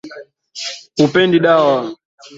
Hapendi dawa